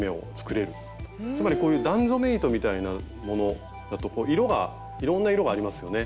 つまりこういう段染め糸みたいなものだといろんな色がありますよね。